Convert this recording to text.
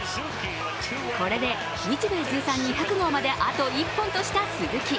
これで日米通算２００号まであと１本とした鈴木。